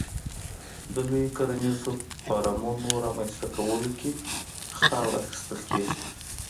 د لویو کرنیزو فارمونو رامنځته کولو کې خاوره اخیستل کېږي.